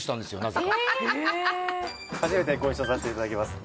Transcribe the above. なぜか初めてご一緒させていただきます